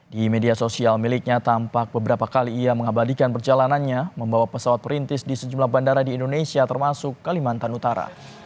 di media sosial miliknya tampak beberapa kali ia mengabadikan perjalanannya membawa pesawat perintis di sejumlah bandara di indonesia termasuk kalimantan utara